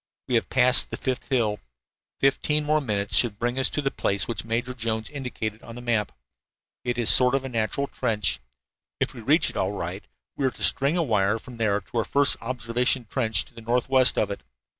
"We have passed the fifth hill. Fifteen more minutes should bring us to the place which Major Jones indicated on the map. It is a sort of natural trench. If we reach it all right we are to string a wire from there to our first observation trench to the northwest of it.